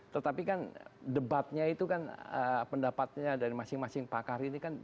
tetapi kan debatnya itu kan pendapatnya dari masing masing pakar ini kan